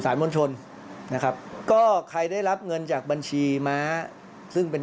อันนี้ก็จะเป็นการเชื่อร์บ